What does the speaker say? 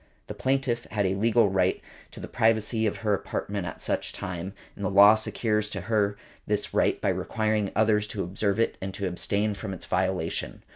The plaintiff had a legal right to the privacy of her apartment at such a time, and the law secures to her this right by requiring others to observe it and to abstain from its violation.